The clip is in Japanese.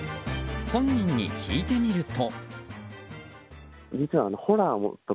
本人に聞いてみると。